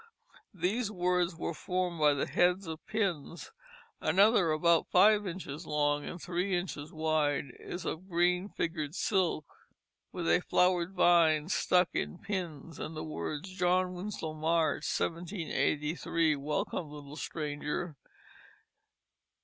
These words were formed by the heads of pins. Another, about five inches long and three inches wide, is of green figured silk with a flowered vine stuck in pins and the words, "John Winslow, March, 1783, Welcome, Little Stranger."